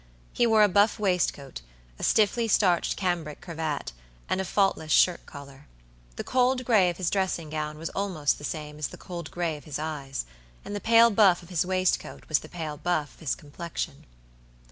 He wore a buff waistcoat, a stiffly starched cambric cravat, and a faultless shirt collar. The cold gray of his dressing gown was almost the same as the cold gray of his eyes, and the pale buff of his waistcoat was the pale buff of his complexion.